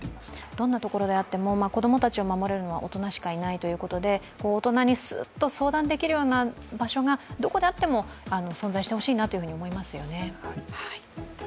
どんなところであっても、子供たちを守るのは大人しかいないわけで大人にすっと相談できるような場所がどこであっても存在してほしいなと思いますよね。